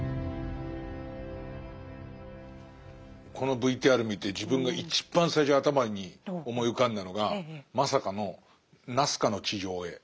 このＶＴＲ見て自分が一番最初に頭に思い浮かんだのがまさかのナスカの地上絵。